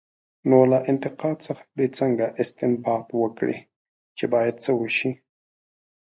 نو له انتقاد څخه به څنګه استنباط وکړي، چې باید څه وشي؟